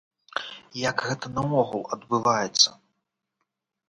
Як гэта наогул адбываецца?